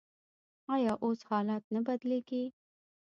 آیا اوس حالات نه بدلیږي؟